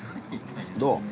どう？